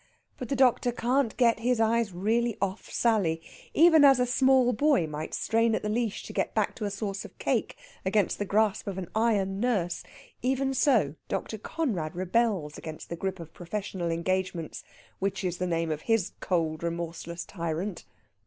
But the doctor can't get his eyes really off Sally. Even as a small boy might strain at the leash to get back to a source of cake against the grasp of an iron nurse, even so Dr. Conrad rebels against the grip of professional engagements, which is the name of his cold, remorseless tyrant.